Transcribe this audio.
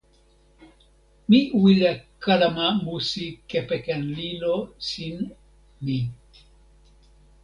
mi wile kalama musi kepeken ilo sin mi.